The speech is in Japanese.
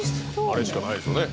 あれしかないですよね。